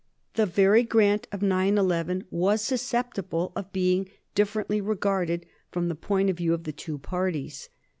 The very grant of 911 was susceptible of being differ ently regarded from the point of view of the two parties.